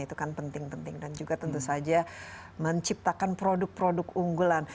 itu kan penting penting dan juga tentu saja menciptakan produk produk unggulan